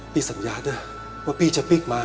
สัญญาด้วยว่าพี่จะปิ๊กมา